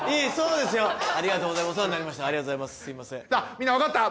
みんな分かった？